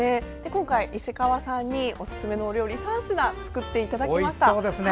今回、石川さんにおすすめのお料理３品作っていただきました。